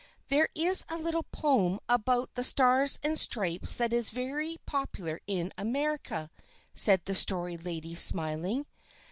"There is a little poem about the Stars and Stripes that is very popular in America," said the Story Lady, smiling.